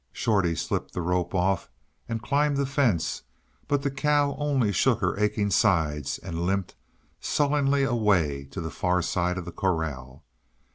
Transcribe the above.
Shorty slipped the rope off and climbed the fence, but the cow only shook her aching sides and limped sullenly away to the far side of the corral.